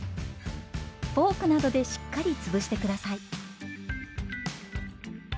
フォークなどでしっかりつぶして下さい。